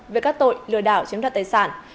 về các tội lừa đảo chiếm đoạt tài sản